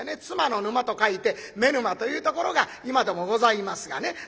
妻の沼と書いて「妻沼」というところが今でもございますがね。